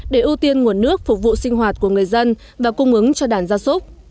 để ưu tiên nguồn nước phục vụ sinh hoạt của người dân và cung ứng cho đàn gia súc